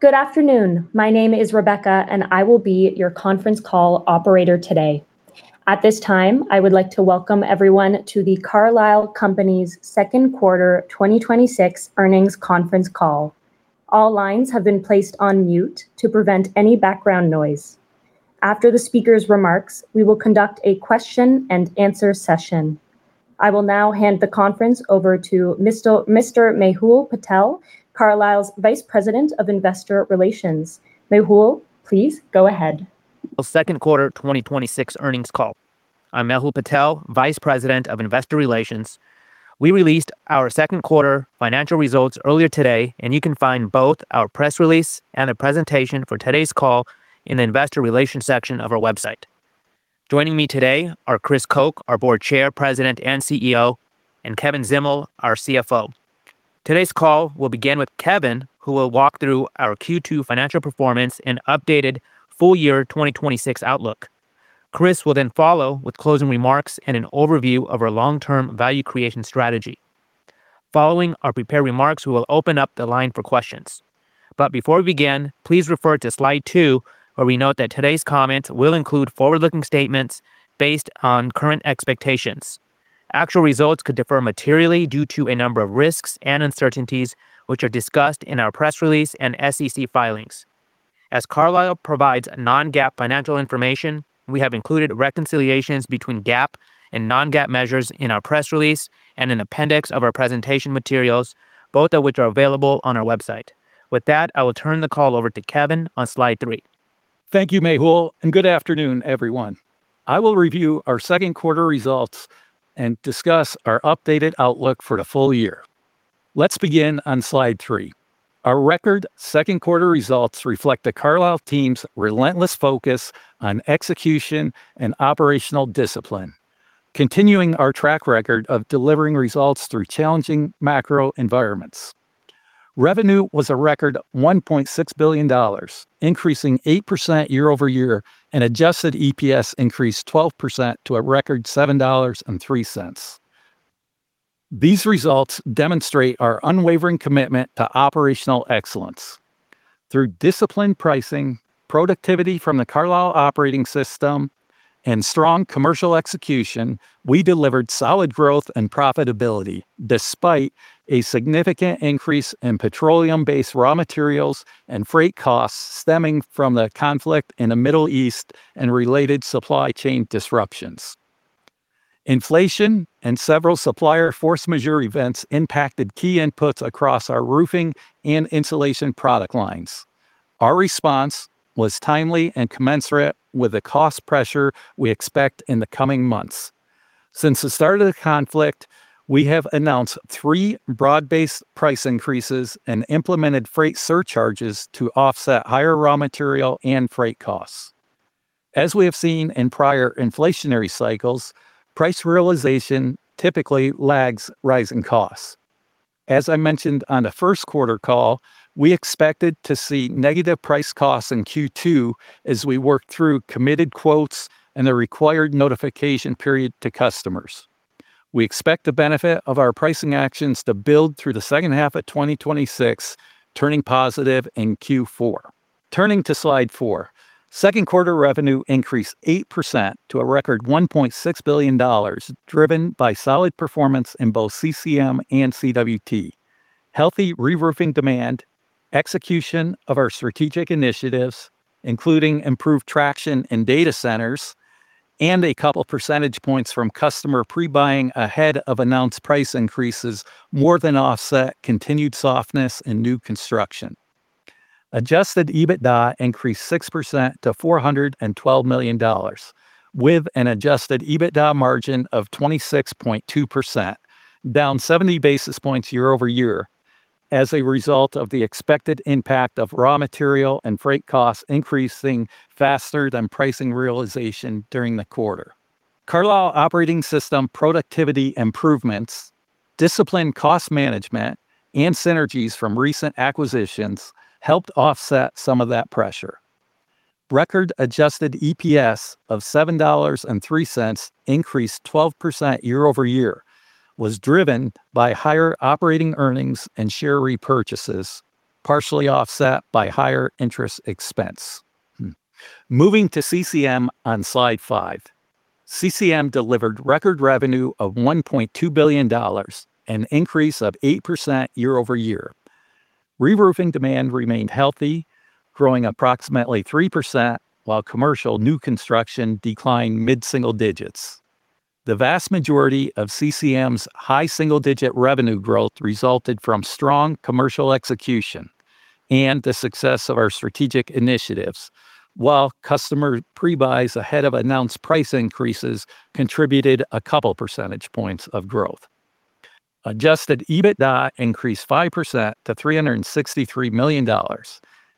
Good afternoon. My name is Rebecca, and I will be your conference call operator today. At this time, I would like to welcome everyone to the Carlisle Companies second quarter 2026 earnings conference call. All lines have been placed on mute to prevent any background noise. After the speaker's remarks, we will conduct a question and answer session. I will now hand the conference over to Mr. Mehul Patel, Carlisle's Vice President of Investor Relations. Mehul, please go ahead. Second quarter 2026 earnings call. I'm Mehul Patel, Vice President of Investor Relations. We released our second quarter financial results earlier today, and you can find both our press release and the presentation for today's call in the investor relations section of our website. Joining me today are Chris Koch, our Board Chair, President, and CEO, and Kevin Zdimal, our CFO. Today's call will begin with Kevin, who will walk through our Q2 financial performance and updated full year 2026 outlook. Chris will then follow with closing remarks and an overview of our long-term value creation strategy. Following our prepared remarks, we will open up the line for questions. Before we begin, please refer to slide two, where we note that today's comments will include forward-looking statements based on current expectations. Actual results could differ materially due to a number of risks and uncertainties, which are discussed in our press release and SEC filings. As Carlisle provides Non-GAAP financial information, we have included reconciliations between GAAP and Non-GAAP measures in our press release and an appendix of our presentation materials, both of which are available on our website. With that, I will turn the call over to Kevin on slide three. Thank you, Mehul, and good afternoon, everyone. I will review our second quarter results and discuss our updated outlook for the full year. Let's begin on slide three. Our record second quarter results reflect the Carlisle team's relentless focus on execution and operational discipline, continuing our track record of delivering results through challenging macro environments. Revenue was a record $1.6 billion, increasing 8% year-over-year, and adjusted EPS increased 12% to a record $7.03. These results demonstrate our unwavering commitment to operational excellence. Through disciplined pricing, productivity from the Carlisle Operating System, and strong commercial execution, we delivered solid growth and profitability, despite a significant increase in petroleum-based raw materials and freight costs stemming from the conflict in the Middle East and related supply chain disruptions. Inflation and several supplier force majeure events impacted key inputs across our roofing and insulation product lines. Our response was timely and commensurate with the cost pressure we expect in the coming months. Since the start of the conflict, we have announced three broad-based price increases and implemented freight surcharges to offset higher raw material and freight costs. As we have seen in prior inflationary cycles, price realization typically lags rising costs. As I mentioned on the first quarter call, we expected to see negative price costs in Q2 as we worked through committed quotes and the required notification period to customers. We expect the benefit of our pricing actions to build through the second half of 2026, turning positive in Q4. Turning to slide four. Second quarter revenue increased 8% to a record $1.6 billion, driven by solid performance in both CCM and CWT. Healthy reroofing demand, execution of our strategic initiatives, including improved traction in data centers, a couple percentage points from customer pre-buying ahead of announced price increases more than offset continued softness in new construction. Adjusted EBITDA increased 6% to $412 million, with an adjusted EBITDA margin of 26.2%, down 70 basis points year-over-year as a result of the expected impact of raw material and freight costs increasing faster than pricing realization during the quarter. Carlisle Operating System productivity improvements, disciplined cost management, and synergies from recent acquisitions helped offset some of that pressure. Record adjusted EPS of $7.03 increased 12% year-over-year, was driven by higher operating earnings and share repurchases, partially offset by higher interest expense. Moving to CCM on slide five. CCM delivered record revenue of $1.2 billion, an increase of 8% year-over-year. Reroofing demand remained healthy, growing approximately 3%, while commercial new construction declined mid-single digits. The vast majority of CCM's high single-digit revenue growth resulted from strong commercial execution and the success of our strategic initiatives. While customer pre-buys ahead of announced price increases contributed a couple percentage points of growth. Adjusted EBITDA increased 5% to $363 million,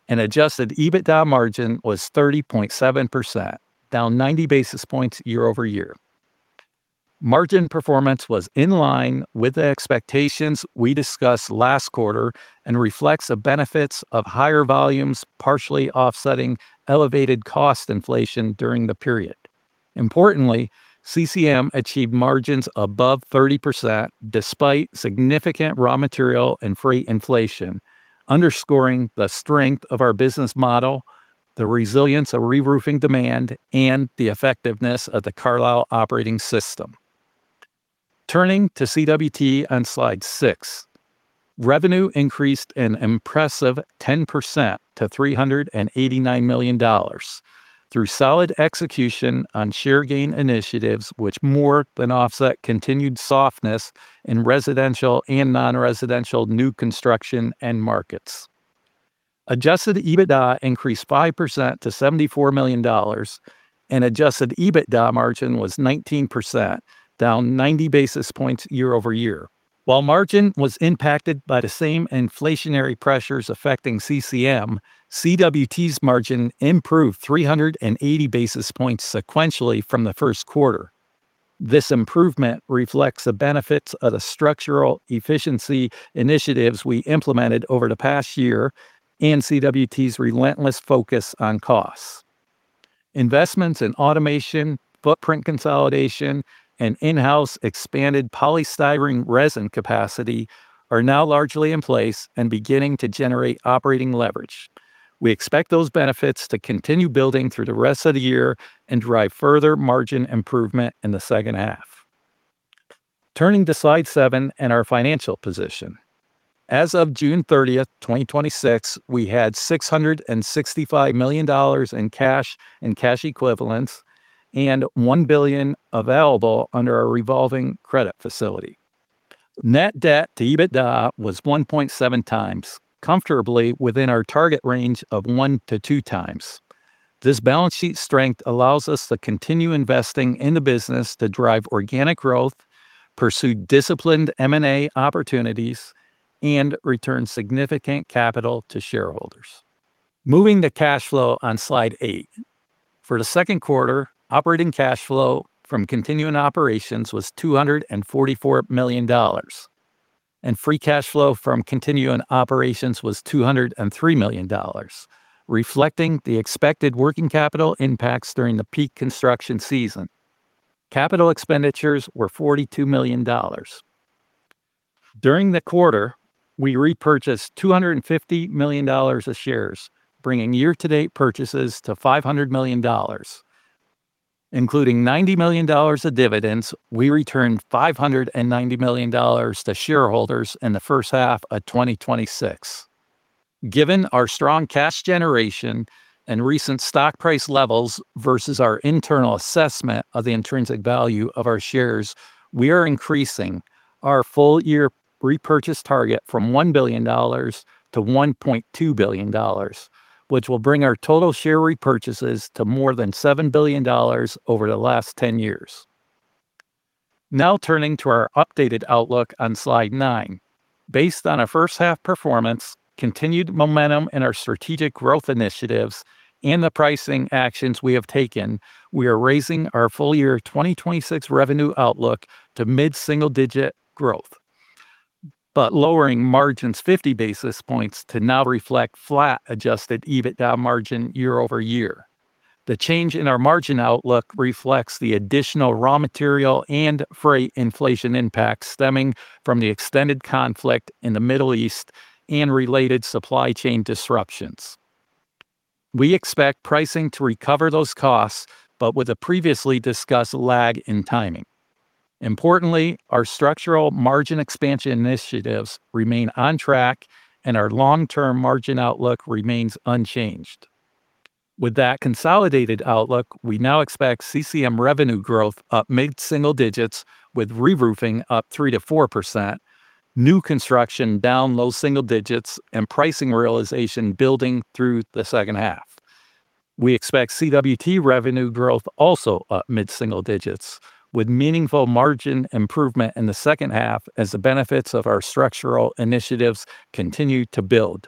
and adjusted EBITDA margin was 30.7%, down 90 basis points year-over-year. Margin performance was in line with the expectations we discussed last quarter and reflects the benefits of higher volumes partially offsetting elevated cost inflation during the period. Importantly, CCM achieved margins above 30%, despite significant raw material and freight inflation, underscoring the strength of our business model, the resilience of reroofing demand, and the effectiveness of the Carlisle Operating System. Turning to CWT on slide six, revenue increased an impressive 10% to $389 million through solid execution on share gain initiatives, which more than offset continued softness in residential and non-residential new construction end markets. Adjusted EBITDA increased 5% to $74 million, and adjusted EBITDA margin was 19%, down 90 basis points year-over-year. While margin was impacted by the same inflationary pressures affecting CCM, CWT's margin improved 380 basis points sequentially from the first quarter. This improvement reflects the benefits of the structural efficiency initiatives we implemented over the past year and CWT's relentless focus on costs. Investments in automation, footprint consolidation, and in-house expanded polystyrene resin capacity are now largely in place and beginning to generate operating leverage. We expect those benefits to continue building through the rest of the year and drive further margin improvement in the second half. Turning to slide seven and our financial position. As of June 30th, 2026, we had $665 million in cash and cash equivalents and $1 billion available under our revolving credit facility. Net debt to EBITDA was 1.7x, comfortably within our target range of one to two times. This balance sheet strength allows us to continue investing in the business to drive organic growth, pursue disciplined M&A opportunities, and return significant capital to shareholders. Moving to cash flow on slide eight. For the second quarter, operating cash flow from continuing operations was $244 million, and free cash flow from continuing operations was $203 million, reflecting the expected working capital impacts during the peak construction season. Capital expenditures were $42 million. During the quarter, we repurchased $250 million of shares, bringing year-to-date purchases to $500 million. We returned $590 million to shareholders in the first half of 2026, including $90 million of dividends. Given our strong cash generation and recent stock price levels versus our internal assessment of the intrinsic value of our shares, we are increasing our full-year repurchase target from $1 billion to $1.2 billion, which will bring our total share repurchases to more than $7 billion over the last 10 years. Turning to our updated outlook on slide nine. Based on our first half performance, continued momentum in our strategic growth initiatives, and the pricing actions we have taken, we are raising our full-year 2026 revenue outlook to mid-single-digit growth, but lowering margins 50 basis points to now reflect flat adjusted EBITDA margin year-over-year. The change in our margin outlook reflects the additional raw material and freight inflation impacts stemming from the extended conflict in the Middle East and related supply chain disruptions. We expect pricing to recover those costs, but with a previously discussed lag in timing. Importantly, our structural margin expansion initiatives remain on track, and our long-term margin outlook remains unchanged. With that consolidated outlook, we now expect CCM revenue growth up mid-single digits with reroofing up 3%-4%, new construction down low single digits, and pricing realization building through the second half. We expect CWT revenue growth also up mid-single digits, with meaningful margin improvement in the second half as the benefits of our structural initiatives continue to build.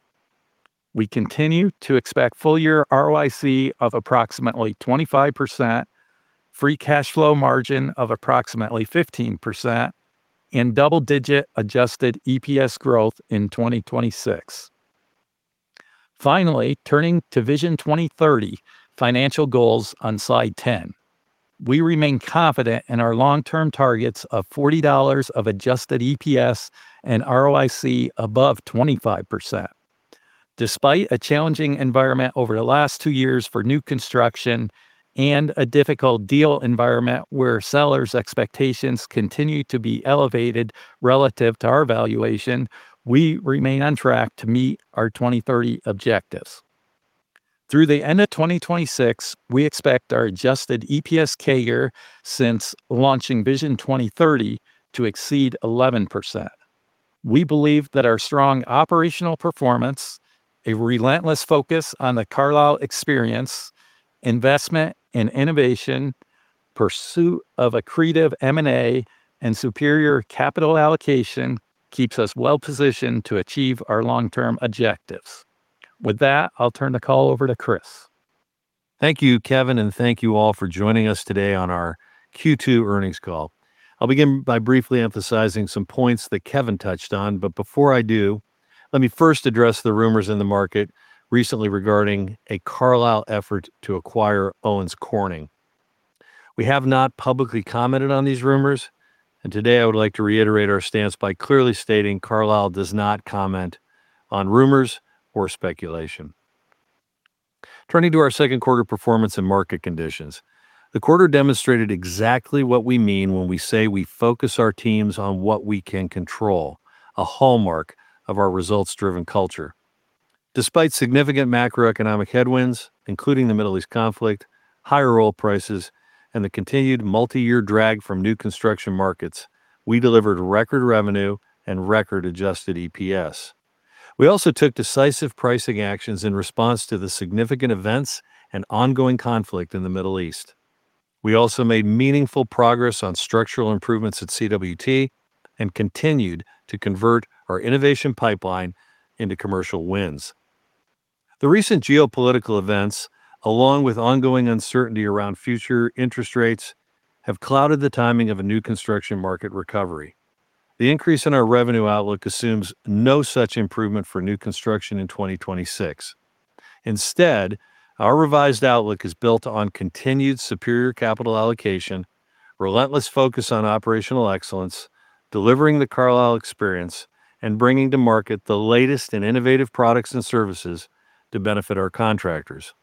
We continue to expect full-year ROIC of approximately 25%, free cash flow margin of approximately 15%, and double-digit adjusted EPS growth in 2026. Turning to Vision 2030 financial goals on slide 10. We remain confident in our long-term targets of $40 of adjusted EPS and ROIC above 25%. Despite a challenging environment over the last two years for new construction and a difficult deal environment where sellers' expectations continue to be elevated relative to our valuation, we remain on track to meet our 2030 objectives. Through the end of 2026, we expect our adjusted EPS CAGR since launching Vision 2030 to exceed 11%. We believe that our strong operational performance, a relentless focus on the Carlisle Experience, investment in innovation, pursuit of accretive M&A, and superior capital allocation keeps us well positioned to achieve our long-term objectives. With that, I'll turn the call over to Chris. Thank you, Kevin, and thank you all for joining us today on our Q2 earnings call. I'll begin by briefly emphasizing some points that Kevin touched on. Before I do, let me first address the rumors in the market recently regarding a Carlisle effort to acquire Owens Corning. We have not publicly commented on these rumors, and today I would like to reiterate our stance by clearly stating Carlisle does not comment on rumors or speculation. Turning to our second quarter performance and market conditions, the quarter demonstrated exactly what we mean when we say we focus our teams on what we can control, a hallmark of our results-driven culture. Despite significant macroeconomic headwinds, including the Middle East conflict, higher oil prices, and the continued multi-year drag from new construction markets, we delivered record revenue and record adjusted EPS. We also took decisive pricing actions in response to the significant events and ongoing conflict in the Middle East. We also made meaningful progress on structural improvements at CWT and continued to convert our innovation pipeline into commercial wins. The recent geopolitical events, along with ongoing uncertainty around future interest rates, have clouded the timing of a new construction market recovery. The increase in our revenue outlook assumes no such improvement for new construction in 2026. Instead, our revised outlook is built on continued superior capital allocation, relentless focus on operational excellence, delivering the Carlisle Experience, and bringing to market the latest in innovative products and services to benefit our contractors.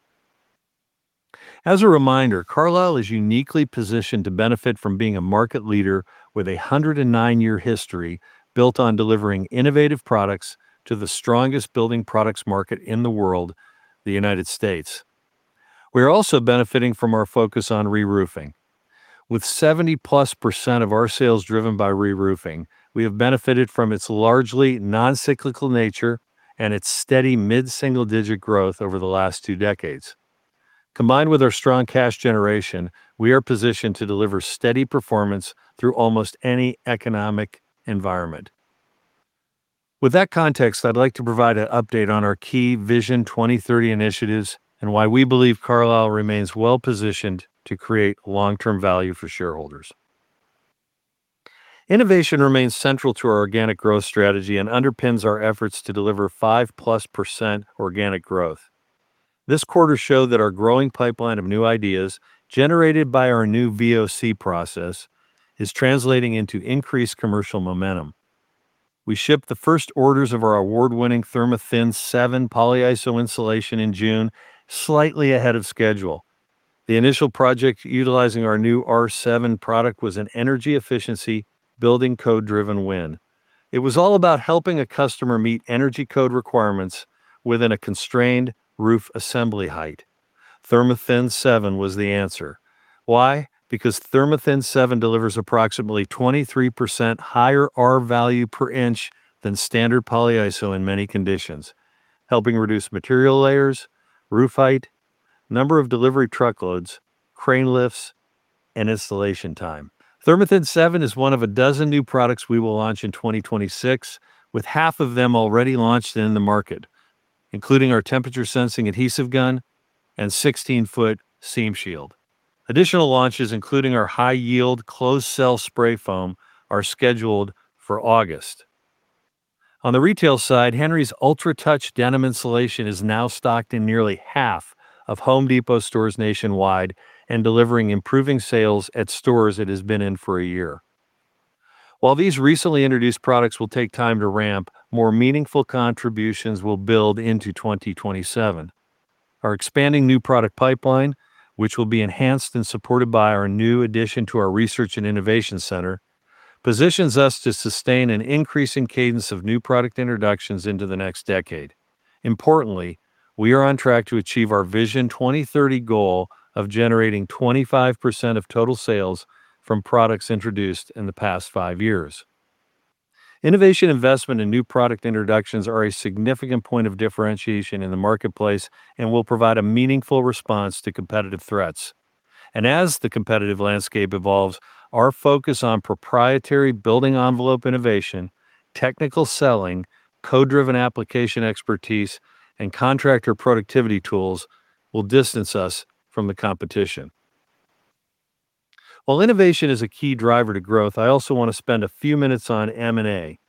As a reminder, Carlisle is uniquely positioned to benefit from being a market leader with a 109-year history built on delivering innovative products to the strongest building products market in the world, the U.S. We are also benefiting from our focus on reroofing. With 70%+ of our sales driven by reroofing, we have benefited from its largely non-cyclical nature and its steady mid-single-digit growth over the last two decades. Combined with our strong cash generation, we are positioned to deliver steady performance through almost any economic environment. With that context, I'd like to provide an update on our key Vision 2030 initiatives and why we believe Carlisle remains well-positioned to create long-term value for shareholders. Innovation remains central to our organic growth strategy and underpins our efforts to deliver 5%+ organic growth. This quarter showed that our growing pipeline of new ideas, generated by our new VOC process, is translating into increased commercial momentum. We shipped the first orders of our award-winning ThermaThin 7 polyiso insulation in June, slightly ahead of schedule. The initial project utilizing our new R7 product was an energy efficiency, building code-driven win. It was all about helping a customer meet energy code requirements within a constrained roof assembly height. ThermaThin 7 was the answer. Why? Because ThermaThin 7 delivers approximately 23% higher R-value per inch than standard polyiso in many conditions, helping reduce material layers, roof height, number of delivery truckloads, crane lifts, and installation time. ThermaThin 7 is one of a dozen new products we will launch in 2026, with half of them already launched in the market, including our temperature-sensing adhesive gun and 16-foot SeamShield. Additional launches, including our high-yield closed cell spray foam, are scheduled for August. On the retail side, Henry's UltraTouch Denim insulation is now stocked in nearly half of Home Depot stores nationwide and delivering improving sales at stores it has been in for a year. While these recently introduced products will take time to ramp, more meaningful contributions will build into 2027. Our expanding new product pipeline, which will be enhanced and supported by our new addition to our Research and Innovation Center, positions us to sustain an increasing cadence of new product introductions into the next decade. Importantly, we are on track to achieve our Vision 2030 goal of generating 25% of total sales from products introduced in the past five years. Innovation investment and new product introductions are a significant point of differentiation in the marketplace and will provide a meaningful response to competitive threats. As the competitive landscape evolves, our focus on proprietary building envelope innovation, technical selling, code-driven application expertise, and contractor productivity tools will distance us from the competition. While innovation is a key driver to growth, I also want to spend a few minutes on M&A,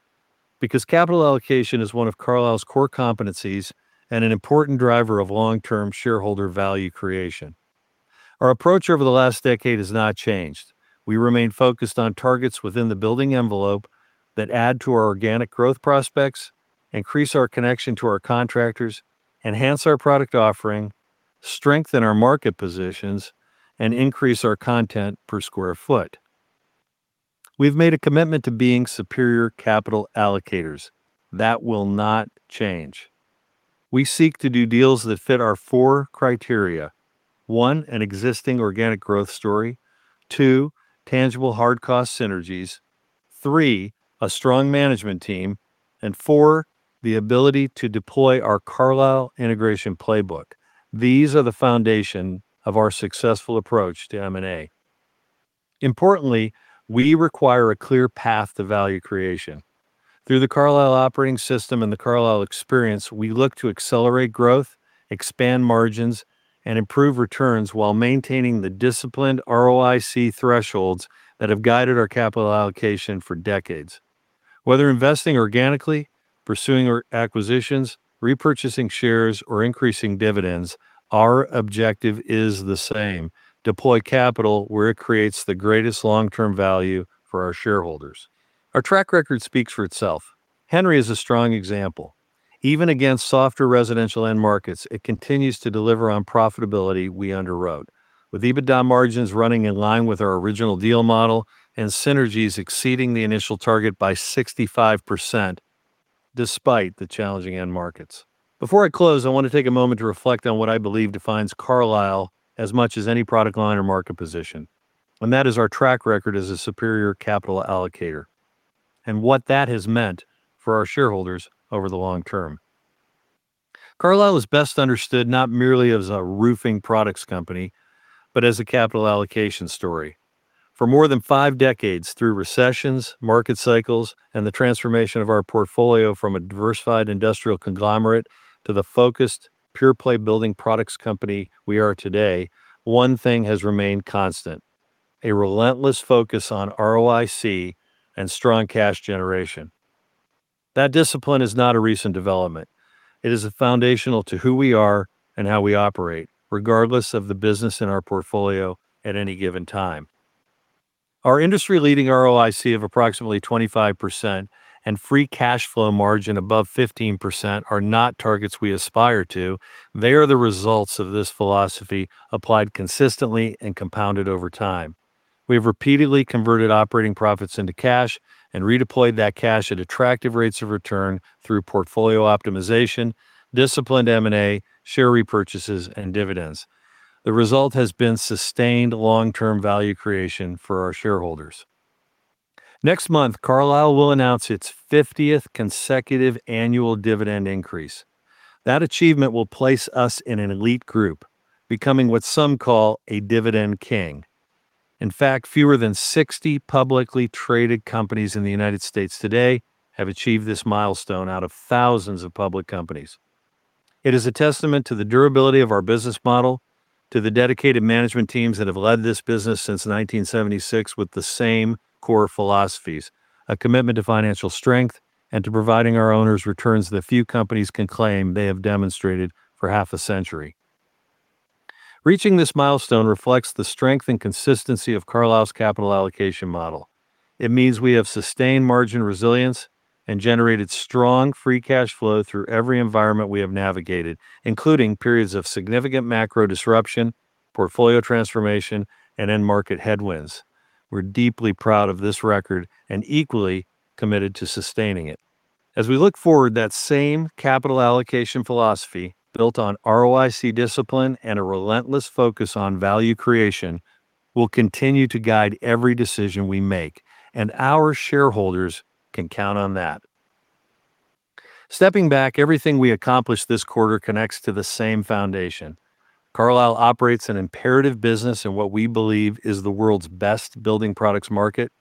because capital allocation is one of Carlisle's core competencies and an important driver of long-term shareholder value creation. Our approach over the last decade has not changed. We remain focused on targets within the building envelope that add to our organic growth prospects, increase our connection to our contractors, enhance our product offering, strengthen our market positions, and increase our content per square foot. We've made a commitment to being superior capital allocators. That will not change. We seek to do deals that fit our four criteria: one, an existing organic growth story, two, tangible hard cost synergies, three, a strong management team, and four, the ability to deploy our Carlisle integration playbook. These are the foundation of our successful approach to M&A. Importantly, we require a clear path to value creation. Through the Carlisle Operating System and the Carlisle Experience, we look to accelerate growth, expand margins, and improve returns while maintaining the disciplined ROIC thresholds that have guided our capital allocation for decades. Whether investing organically, pursuing acquisitions, repurchasing shares, or increasing dividends, our objective is the same: deploy capital where it creates the greatest long-term value for our shareholders. Our track record speaks for itself. Henry is a strong example. Even against softer residential end markets, it continues to deliver on profitability we underwrote. With EBITDA margins running in line with our original deal model and synergies exceeding the initial target by 65%, despite the challenging end markets. Before I close, I want to take a moment to reflect on what I believe defines Carlisle as much as any product line or market position, and that is our track record as a superior capital allocator and what that has meant for our shareholders over the long term. Carlisle is best understood not merely as a roofing products company, but as a capital allocation story. For more than five decades, through recessions, market cycles, and the transformation of our portfolio from a diversified industrial conglomerate to the focused, pure-play building products company we are today, one thing has remained constant, a relentless focus on ROIC and strong cash generation. That discipline is not a recent development. It is foundational to who we are and how we operate, regardless of the business in our portfolio at any given time. Our industry-leading ROIC of approximately 25% and free cash flow margin above 15% are not targets we aspire to. They are the results of this philosophy applied consistently and compounded over time. We have repeatedly converted operating profits into cash and redeployed that cash at attractive rates of return through portfolio optimization, disciplined M&A, share repurchases, and dividends. The result has been sustained long-term value creation for our shareholders. Next month, Carlisle will announce its 50th consecutive annual dividend increase. That achievement will place us in an elite group, becoming what some call a dividend king. In fact, fewer than 60 publicly traded companies in the U.S. today have achieved this milestone out of thousands of public companies. It is a testament to the durability of our business model, to the dedicated management teams that have led this business since 1976 with the same core philosophies, a commitment to financial strength, and to providing our owners returns that few companies can claim they have demonstrated for half a century. Reaching this milestone reflects the strength and consistency of Carlisle's capital allocation model. It means we have sustained margin resilience and generated strong free cash flow through every environment we have navigated, including periods of significant macro disruption, portfolio transformation, and end market headwinds. We're deeply proud of this record and equally committed to sustaining it. As we look forward, that same capital allocation philosophy, built on ROIC discipline and a relentless focus on value creation, will continue to guide every decision we make, and our shareholders can count on that. Stepping back, everything we accomplished this quarter connects to the same foundation. Carlisle operates an imperative business in what we believe is the world's best building products market,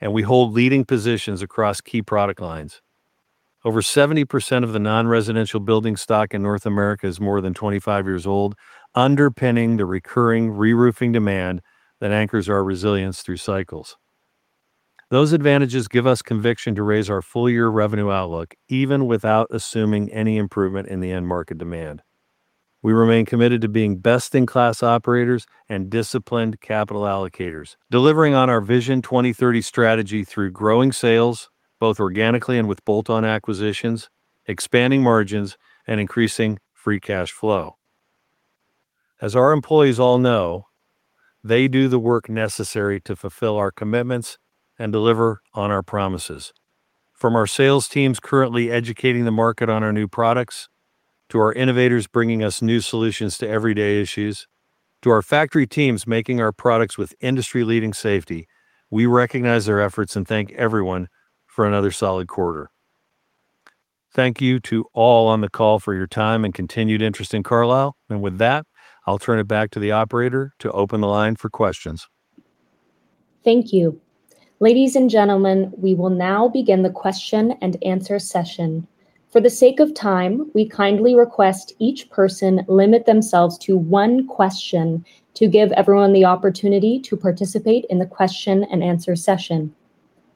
and we hold leading positions across key product lines. Over 70% of the non-residential building stock in North America is more than 25 years old, underpinning the recurring reroofing demand that anchors our resilience through cycles. Those advantages give us conviction to raise our full-year revenue outlook, even without assuming any improvement in the end market demand. We remain committed to being best-in-class operators and disciplined capital allocators, delivering on our Vision 2030 strategy through growing sales, both organically and with bolt-on acquisitions, expanding margins, and increasing free cash flow. As our employees all know, they do the work necessary to fulfill our commitments and deliver on our promises. From our sales teams currently educating the market on our new products, to our innovators bringing us new solutions to everyday issues, to our factory teams making our products with industry-leading safety, we recognize their efforts and thank everyone for another solid quarter. Thank you to all on the call for your time and continued interest in Carlisle. With that, I'll turn it back to the operator to open the line for questions. Thank you. Ladies and gentlemen, we will now begin the question and answer session. For the sake of time, we kindly request each person limit themselves to one question to give everyone the opportunity to participate in the question and answer session.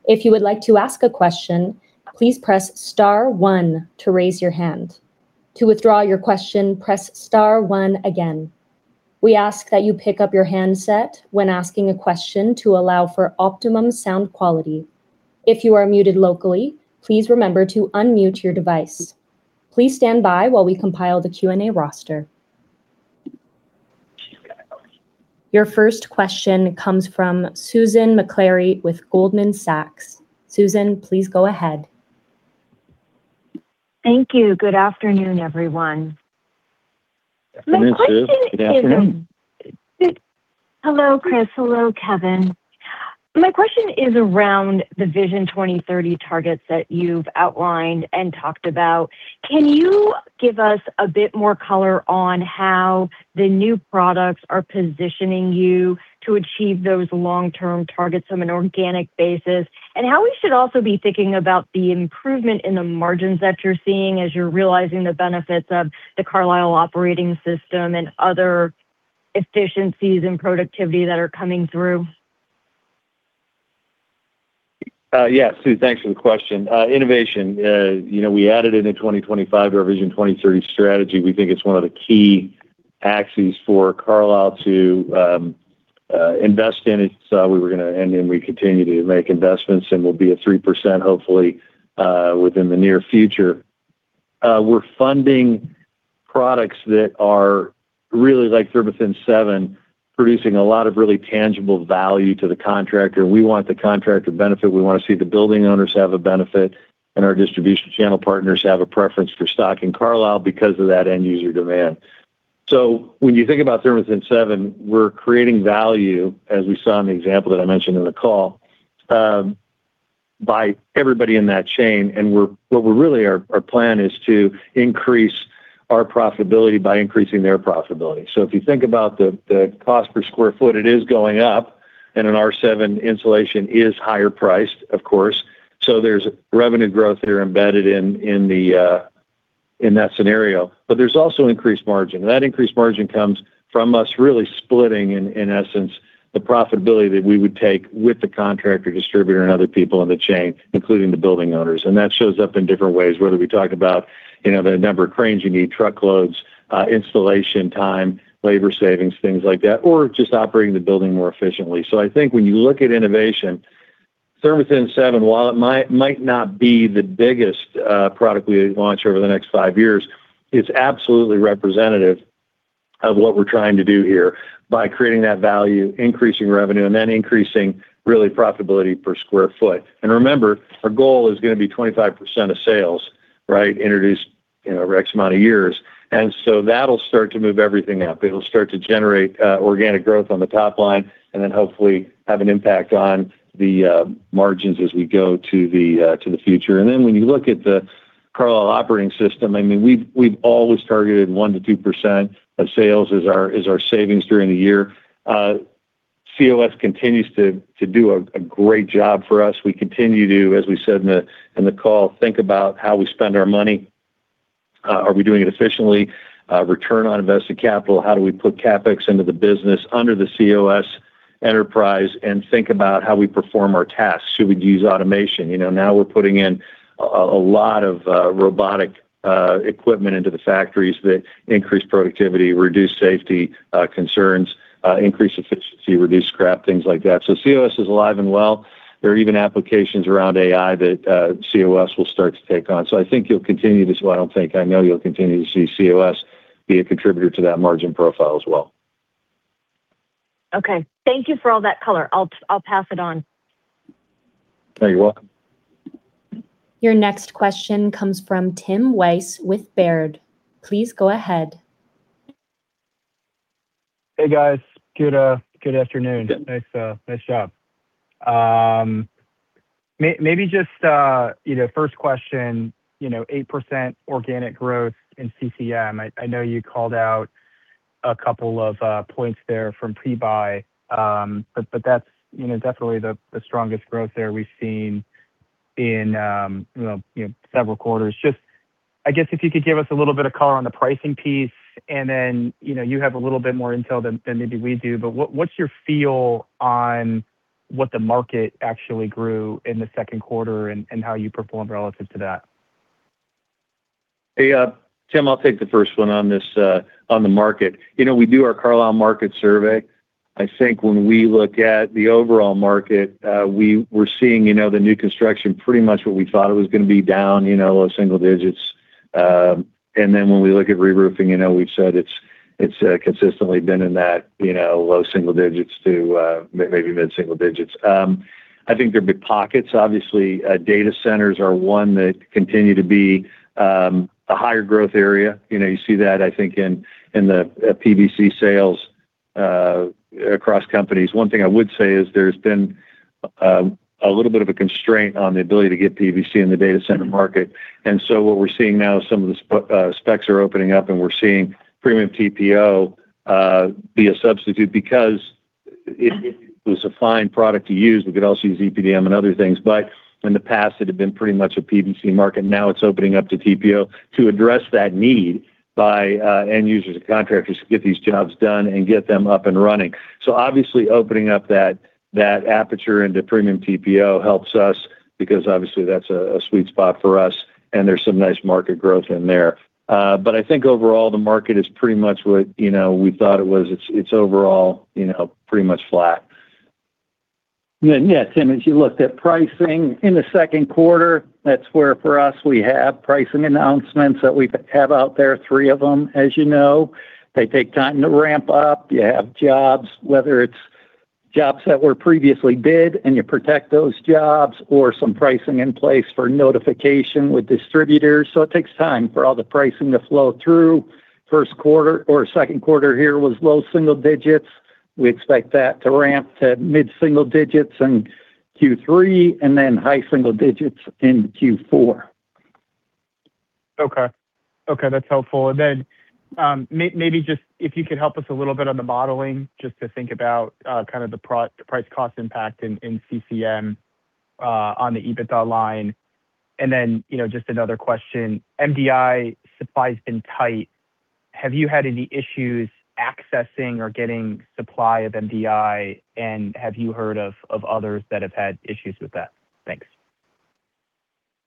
If you would like to ask a question, please press star one to raise your hand. To withdraw your question, press star one again. We ask that you pick up your handset when asking a question to allow for optimum sound quality. If you are muted locally, please remember to unmute your device. Please stand by while we compile the Q&A roster. Your first question comes from Susan Maklari with Goldman Sachs. Susan, please go ahead. Thank you. Good afternoon, everyone. Good afternoon, Sue. Good afternoon. Hello, Chris. Hello, Kevin. My question is around the Vision 2030 targets that you've outlined and talked about. Can you give us a bit more color on how the new products are positioning you to achieve those long-term targets on an organic basis, and how we should also be thinking about the improvement in the margins that you're seeing as you're realizing the benefits of the Carlisle Operating System. Efficiencies and productivity that are coming through? Yeah. Sue, thanks for the question. Innovation. We added it in 2025, our Vision 2030 strategy. We think it's one of the key axes for Carlisle to invest in. We were going to end, and we continue to make investments, and we'll be at 3%, hopefully, within the near future. We're funding products that are really, like ThermaThin 7, producing a lot of really tangible value to the contractor. We want the contractor benefit. We want to see the building owners have a benefit, and our distribution channel partners have a preference for stocking Carlisle because of that end-user demand. When you think about ThermaThin 7, we're creating value, as we saw in the example that I mentioned in the call, by everybody in that chain. Our plan is to increase our profitability by increasing their profitability. If you think about the cost per square foot, it is going up, and an R-7 insulation is higher priced, of course. There's revenue growth that are embedded in that scenario. There's also increased margin. That increased margin comes from us really splitting, in essence, the profitability that we would take with the contractor, distributor, and other people in the chain, including the building owners. That shows up in different ways, whether we talk about the number of cranes you need, truckloads, installation time, labor savings, things like that, or just operating the building more efficiently. I think when you look at innovation, ThermaThin 7, while it might not be the biggest product we launch over the next five years, it's absolutely representative of what we're trying to do here by creating that value, increasing revenue, and then increasing really profitability per square foot. Remember, our goal is going to be 25% of sales introduced in X amount of years. That'll start to move everything up. It'll start to generate organic growth on the top line, hopefully have an impact on the margins as we go to the future. When you look at the Carlisle Operating System, we've always targeted 1% to 2% of sales as our savings during the year. COS continues to do a great job for us. We continue to, as we said in the call, think about how we spend our money. Are we doing it efficiently? Return on invested capital, how do we put CapEx into the business under the COS enterprise and think about how we perform our tasks? Should we use automation? We're putting in a lot of robotic equipment into the factories that increase productivity, reduce safety concerns, increase efficiency, reduce scrap, things like that. COS is alive and well. There are even applications around AI that COS will start to take on. I know you'll continue to see COS be a contributor to that margin profile as well. Thank you for all that color. I'll pass it on. You're welcome. Your next question comes from Tim Wojs with Baird. Please go ahead. Hey, guys. Good afternoon. Yeah. Nice job. Maybe just first question, 8% organic growth in CCM. I know you called out a couple of points there from pre-buy, but that's definitely the strongest growth there we've seen in several quarters. Just, I guess, if you could give us a little bit of color on the pricing piece. You have a little bit more intel than maybe we do, but what's your feel on what the market actually grew in the second quarter and how you performed relative to that? Hey, Tim Wojs, I'll take the first one on the market. We do our Carlisle market survey. I think when we look at the overall market, we were seeing the new construction pretty much what we thought it was going to be down, low single digits. When we look at reroofing, we've said it's consistently been in that low single digits to maybe mid-single digits. I think there'd be pockets. Obviously, data centers are one that continue to be a higher growth area. You see that, I think, in the PVC sales across companies. One thing I would say is there's been a little bit of a constraint on the ability to get PVC in the data center market. What we're seeing now is some of the specs are opening up and we're seeing premium TPO be a substitute because it was a fine product to use. We could also use EPDM and other things. In the past, it had been pretty much a PVC market. Now it's opening up to TPO to address that need by end users and contractors to get these jobs done and get them up and running. Obviously opening up that aperture into premium TPO helps us because obviously that's a sweet spot for us and there's some nice market growth in there. I think overall the market is pretty much what we thought it was. It's overall pretty much flat. Yeah, Tim, as you looked at pricing in the second quarter, that's where for us, we have pricing announcements that we have out there, three of them, as you know. They take time to ramp up. You have jobs, whether it's jobs that were previously bid and you protect those jobs, or some pricing in place for notification with distributors. It takes time for all the pricing to flow through. First quarter or second quarter here was low single digits. We expect that to ramp to mid-single digits in Q3 and then high single digits in Q4. Okay. That's helpful. Maybe just if you could help us a little bit on the modeling, just to think about the price cost impact in CCM on the EBITDA line. Just another question. MDI supply's been tight. Have you had any issues accessing or getting supply of MDI? Have you heard of others that have had issues with that? Thanks.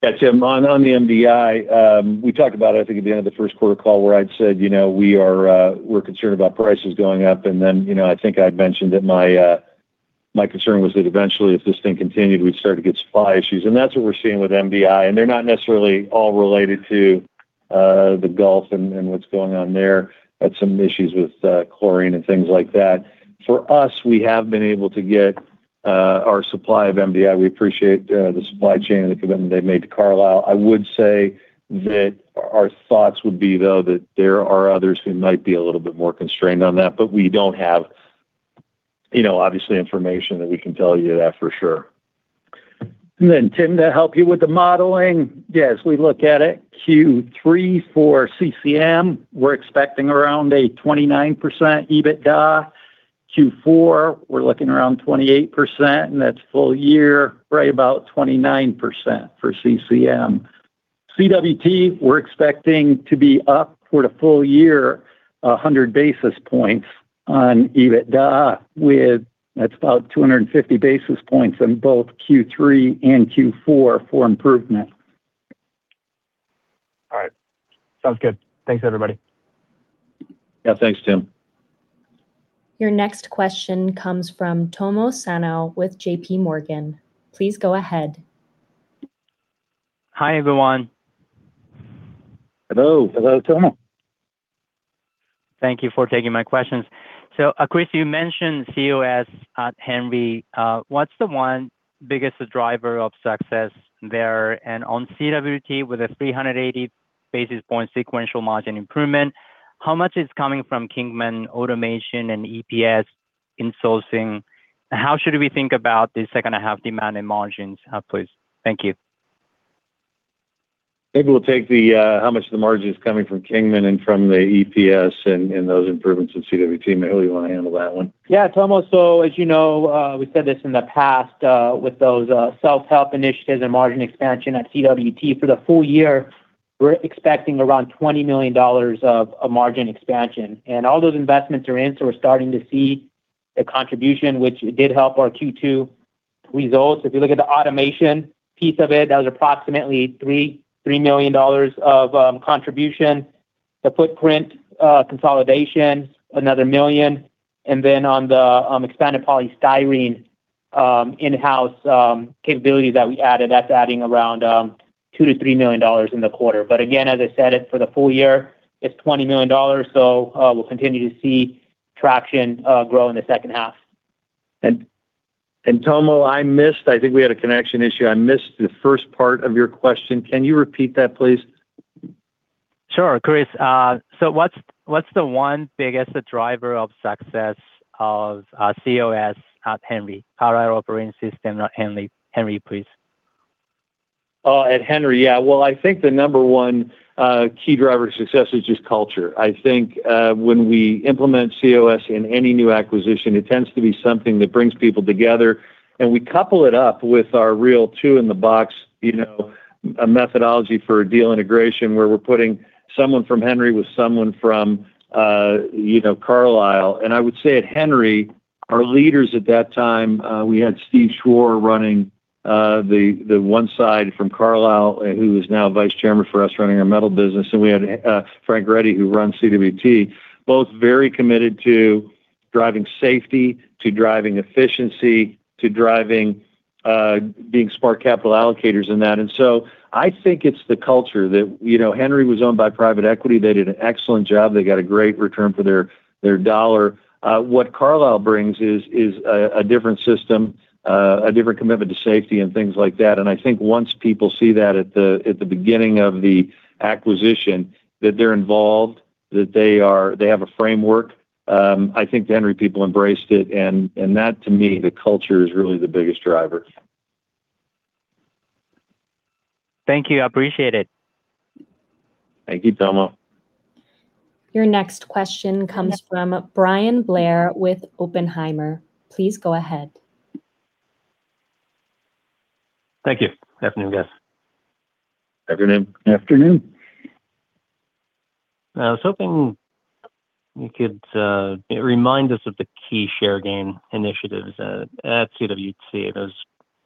Yeah, Tim. On the MDI, we talked about it, I think, at the end of the first quarter call where I'd said we're concerned about prices going up. I think I'd mentioned that my concern was that eventually if this thing continued, we'd start to get supply issues. That's what we're seeing with MDI, and they're not necessarily all related to the Gulf and what's going on there. Had some issues with chlorine and things like that. For us, we have been able to get our supply of MDI. We appreciate the supply chain and the commitment they made to Carlisle. I would say that our thoughts would be, though, that there are others who might be a little bit more constrained on that. We don't have, obviously, information that we can tell you that for sure. Tim, to help you with the modeling? Yeah. As we look at it, Q3 for CCM, we're expecting around a 29% EBITDA. Q4, we're looking around 28%, and that's full year, right about 29% for CCM. CWT, we're expecting to be up for the full year, 100 basis points on EBITDA. That's about 250 basis points in both Q3 and Q4 for improvement. All right. Sounds good. Thanks, everybody. Yeah. Thanks, Tim. Your next question comes from Tomo Sano with JPMorgan. Please go ahead. Hi, everyone. Hello. Hello, Tomo. Thank you for taking my questions. Chris, you mentioned COS at Henry. What's the one biggest driver of success there? On CWT, with a 380 basis point sequential margin improvement, how much is coming from Kingman automation and EPS in sourcing? How should we think about the second half demand in margins please? Thank you. Maybe we'll take the how much the margin is coming from Kingman and from the EPS and those improvements in CWT. Mehul, you want to handle that one? Tomo. As you know, we said this in the past, with those self-help initiatives and margin expansion at CWT for the full year, we're expecting around $20 million of margin expansion. All those investments are in, we're starting to see the contribution, which it did help our Q2 results. If you look at the automation piece of it, that was approximately $3 million of contribution. The footprint consolidation, another $1 million. On the expanded polystyrene in-house capability that we added, that's adding around $2 million-$3 million in the quarter. Again, as I said, for the full year, it's $20 million. We'll continue to see traction grow in the second half. Tomo, I missed. I think we had a connection issue. I missed the first part of your question. Can you repeat that, please? Sure, Chris. What's the one biggest driver of success of COS at Henry? Carlisle Operating System at Henry, please. At Henry, yeah. Well, I think the number one key driver of success is just culture. I think when we implement COS in any new acquisition, it tends to be something that brings people together. We couple it up with our real two-in-the-box methodology for a deal integration, where we're putting someone from Henry with someone from Carlisle. I would say at Henry, our leaders at that time, we had Steve Schwar running the one side from Carlisle, who is now Vice Chair for us running our metal business. We had Frank Ready, who runs CWT. Both very committed to driving safety, to driving efficiency, to being smart capital allocators and that. I think it's the culture that Henry was owned by private equity. They did an excellent job. They got a great return for their dollar. What Carlisle brings is a different system, a different commitment to safety and things like that. I think once people see that at the beginning of the acquisition, that they're involved, that they have a framework. I think the Henry people embraced it, that to me, the culture is really the biggest driver. Thank you. I appreciate it. Thank you, Tomo. Your next question comes from Bryan Blair with Oppenheimer. Please go ahead. Thank you. Afternoon, guys. Afternoon. Afternoon. I was hoping you could remind us of the key share gain initiatives at CWT. Those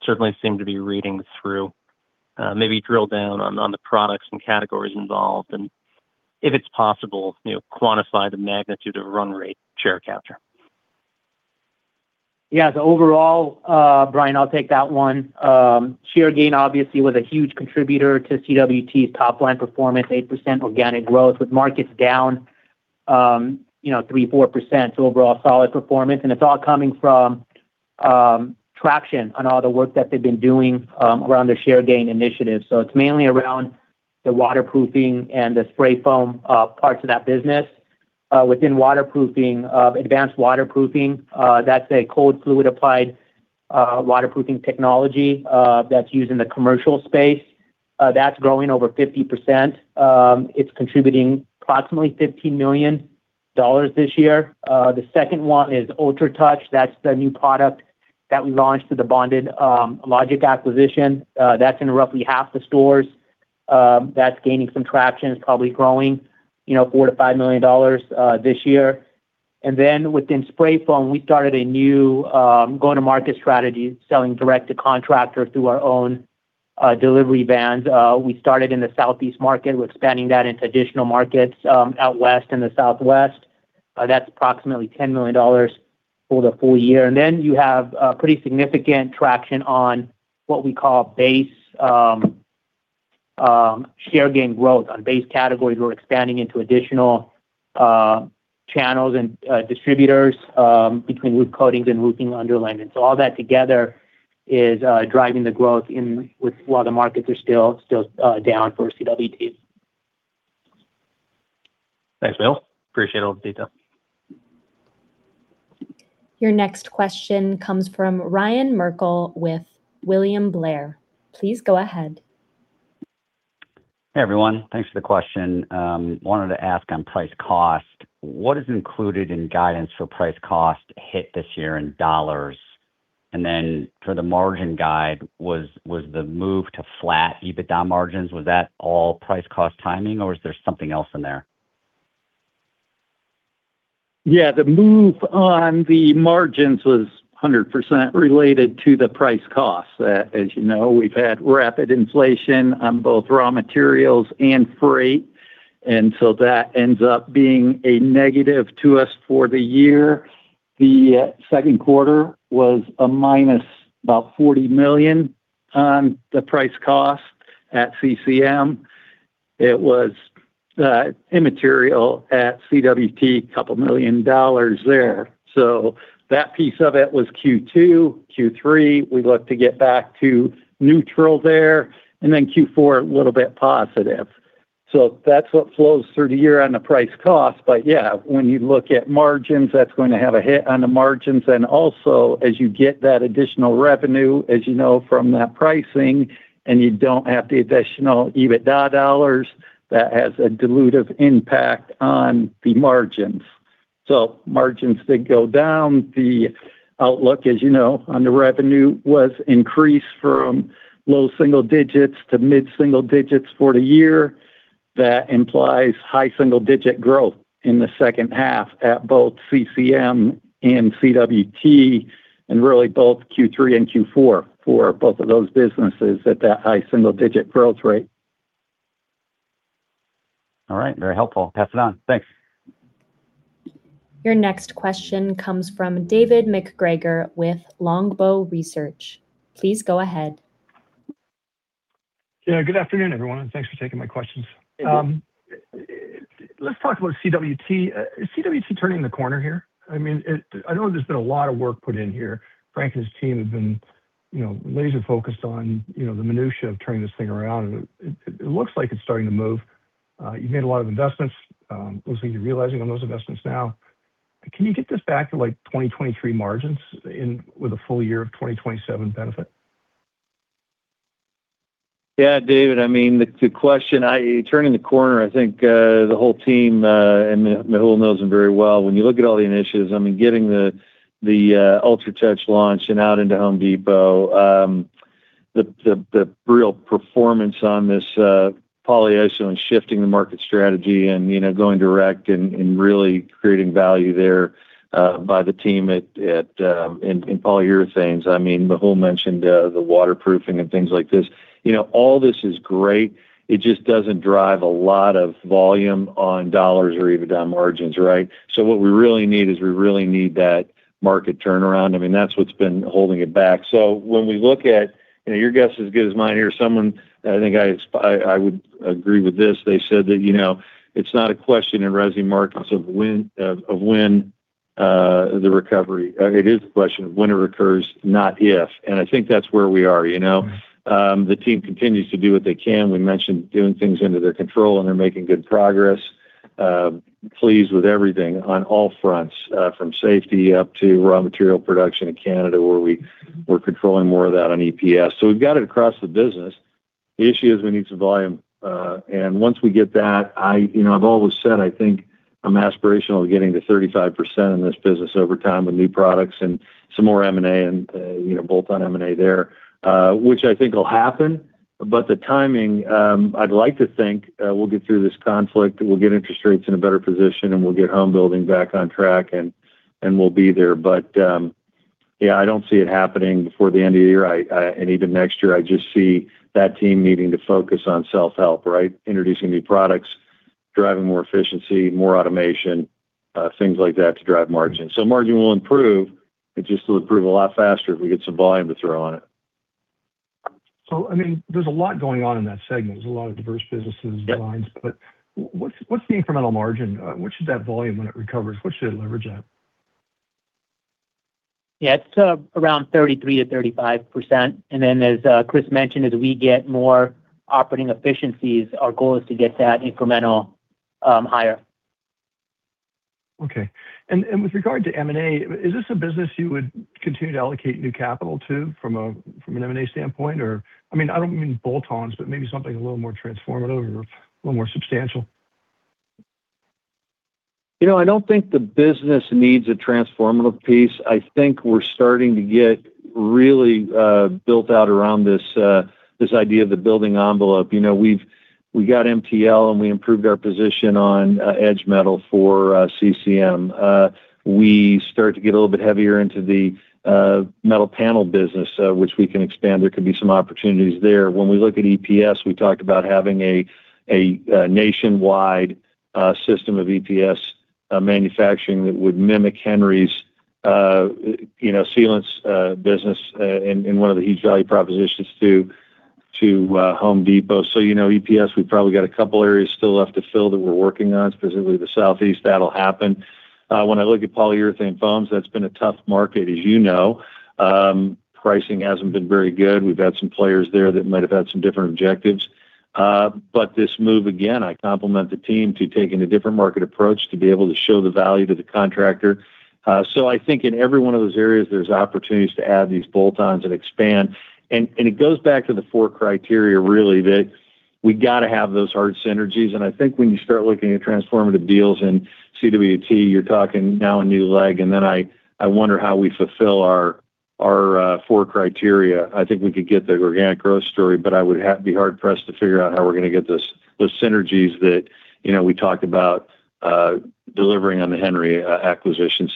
certainly seem to be reading through. Maybe drill down on the products and categories involved. If it's possible, quantify the magnitude of run rate share capture. Yeah. Overall, Bryan, I'll take that one. Share gain obviously was a huge contributor to CWT's top line performance, 8% organic growth with markets down 3%, 4%, overall solid performance. It's all coming from traction on all the work that they've been doing around their share gain initiative. It's mainly around the waterproofing and the spray foam parts of that business. Within waterproofing, advanced waterproofing, that's a cold fluid applied waterproofing technology that's used in the commercial space. That's growing over 50%. It's contributing approximately $15 million this year. The second one is UltraTouch. That's the new product that we launched through the Bonded Logic acquisition. That's in roughly half the stores. That's gaining some traction, probably growing $4 million-$5 million this year. Within spray foam, we started a new go-to-market strategy, selling direct to contractor through our own delivery vans. We started in the Southeast market. We're expanding that into additional markets out West and the Southwest. That's approximately $10 million for the full year. You have pretty significant traction on what we call base share gain growth. On base categories, we're expanding into additional channels and distributors between roof coatings and roofing underlayment. All that together is driving the growth while the markets are still down for CWT. Thanks, Mehul. Appreciate all the detail. Your next question comes from Ryan Merkel with William Blair. Please go ahead. Hey, everyone. Thanks for the question. Wanted to ask on price cost, what is included in guidance for price cost hit this year in dollars? For the margin guide, was the move to flat EBITDA margins, was that all price cost timing, or is there something else in there? The move on the margins was 100% related to the price cost. As you know, we've had rapid inflation on both raw materials and freight, that ends up being a negative to us for the year. The second quarter was a minus about $40 million on the price cost at CCM. It was immaterial at CWT, a couple million dollars there. That piece of it was Q2. Q3, we look to get back to neutral there, and then Q4, a little bit positive. That's what flows through the year on the price cost. When you look at margins, that's going to have a hit on the margins. As you get that additional revenue, as you know from that pricing, you don't have the additional EBITDA dollars, that has a dilutive impact on the margins. Margins did go down. The outlook, as you know, on the revenue was increased from low single digits to mid-single digits for the year. That implies high single digit growth in the second half at both CCM and CWT, really both Q3 and Q4 for both of those businesses at that high single digit growth rate. All right. Very helpful. Pass it on. Thanks. Your next question comes from David MacGregor with Longbow Research. Please go ahead. Yeah, good afternoon, everyone, and thanks for taking my questions. Hey, David. Let's talk about CWT. Is CWT turning the corner here? I know there's been a lot of work put in here. Frank and his team have been laser focused on the minutiae of turning this thing around, and it looks like it's starting to move. You've made a lot of investments. It looks like you're realizing on those investments now. Can you get this back to 2023 margins with a full year of 2027 benefit? Yeah, David, the question, turning the corner, I think, the whole team, and Mehul knows them very well. When you look at all the initiatives, getting the UltraTouch launch and out into The Home Depot. The real performance on this polyiso and shifting the market strategy and going direct and really creating value there by the team in polyurethanes. Mehul mentioned the waterproofing and things like this. All this is great. It just doesn't drive a lot of volume on dollars or EBITDA margins, right? What we really need is we really need that market turnaround. That's what's been holding it back. Your guess is as good as mine here. Someone, I think I would agree with this, they said that it's not a question in rising markets of when the recovery. It is a question of when it occurs, not if, and I think that's where we are. The team continues to do what they can. We mentioned doing things under their control, and they're making good progress. Pleased with everything on all fronts, from safety up to raw material production in Canada, where we're controlling more of that on EPS. We've got it across the business. The issue is we need some volume. Once we get that, I've always said I think I'm aspirational of getting to 35% in this business over time with new products and some more M&A and bolt-on M&A there, which I think will happen. The timing, I'd like to think we'll get through this conflict, we'll get interest rates in a better position, and we'll get home building back on track and we'll be there. Yeah, I don't see it happening before the end of the year, and even next year. I just see that team needing to focus on self-help, right? Introducing new products, driving more efficiency, more automation, things like that to drive margin. Margin will improve. It just will improve a lot faster if we get some volume to throw on it. There's a lot going on in that segment. There's a lot of diverse businesses and lines. Yep. What's the incremental margin? What is that volume when it recovers? What should it leverage at? It's around 33%-35%. As Chris mentioned, as we get more operating efficiencies, our goal is to get that incremental higher. With regard to M&A, is this a business you would continue to allocate new capital to from an M&A standpoint? I don't mean bolt-ons, but maybe something a little more transformative or a little more substantial. I don't think the business needs a transformative piece. I think we're starting to get really built out around this idea of the building envelope. We got MTL and we improved our position on edge metal for CCM. We start to get a little bit heavier into the metal panel business, which we can expand. There could be some opportunities there. When we look at EPS, we talked about having a nationwide system of EPS manufacturing that would mimic Henry's sealants business in one of the huge value propositions to The Home Depot. EPS, we probably got a couple areas still left to fill that we're working on, specifically the Southeast. That'll happen. When I look at polyurethane foams, that's been a tough market as you know. Pricing hasn't been very good. We've had some players there that might have had some different objectives. This move, again, I compliment the team to taking a different market approach to be able to show the value to the contractor. I think in every one of those areas, there's opportunities to add these bolt-ons and expand. It goes back to the four criteria, really, that we got to have those hard synergies. I think when you start looking at transformative deals and CWT, you're talking now a new leg, then I wonder how we fulfill our four criteria. I think we could get the organic growth story, but I would be hard-pressed to figure out how we're going to get those synergies that we talked about delivering on the Henry acquisition.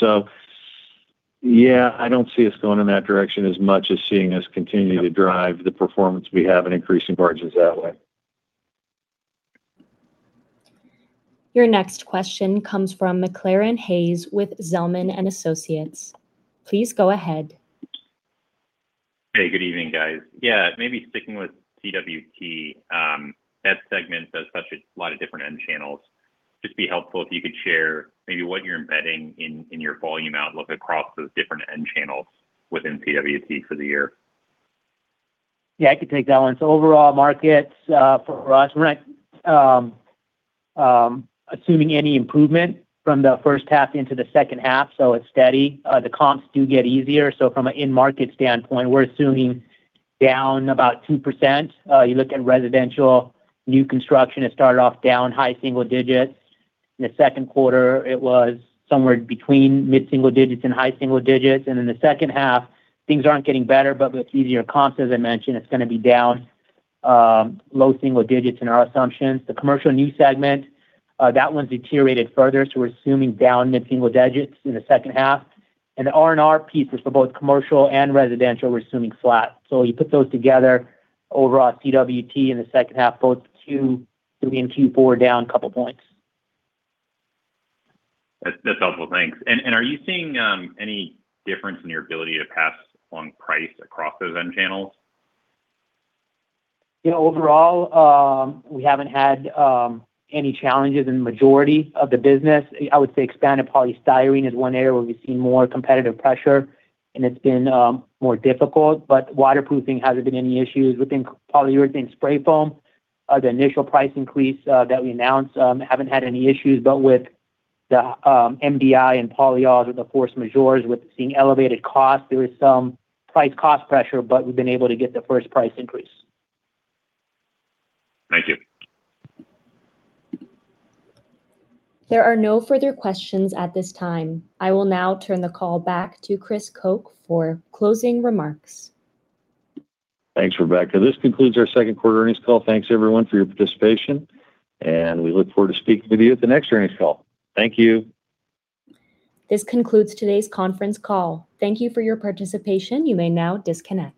Yeah, I don't see us going in that direction as much as seeing us continuing to drive the performance we have and increasing margins that way. Your next question comes from McClaran Hayes with Zelman & Associates. Please go ahead. Hey, good evening, guys. Maybe sticking with CWT. That segment does touch a lot of different end channels. Just be helpful if you could share maybe what you're embedding in your volume outlook across those different end channels within CWT for the year. Yeah, I could take that one. Overall markets for us, we're not assuming any improvement from the first half into the second half, so it's steady. The comps do get easier, so from an in-market standpoint, we're assuming down about 2%. You look at residential new construction, it started off down high single digits. In the second quarter, it was somewhere between mid-single digits and high single digits. In the second half, things aren't getting better, but with easier comps, as I mentioned, it's going to be down low single digits in our assumptions. The commercial new segment, that one's deteriorated further, so we're assuming down mid-single digits in the second half. The R&R pieces for both commercial and residential, we're assuming flat. You put those together, overall CWT in the second half, both Q3 and Q4 are down a couple points. That's helpful. Thanks. Are you seeing any difference in your ability to pass on price across those end channels? Overall, we haven't had any challenges in the majority of the business. I would say expanded polystyrene is one area where we've seen more competitive pressure, and it's been more difficult. Waterproofing hasn't been any issues. Within polyurethane spray foam, the initial price increase that we announced haven't had any issues. With the MDI and polyols with the force majeures with seeing elevated costs, there is some price cost pressure, but we've been able to get the first price increase. Thank you. There are no further questions at this time. I will now turn the call back to Chris Koch for closing remarks. Thanks, Rebecca. This concludes our second quarter earnings call. Thanks everyone for your participation, and we look forward to speaking with you at the next earnings call. Thank you. This concludes today's conference call. Thank you for your participation. You may now disconnect.